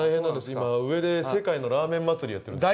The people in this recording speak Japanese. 今上で世界のラーメン祭りやってるんです。